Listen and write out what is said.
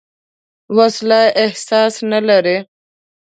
وسله احساس نه لري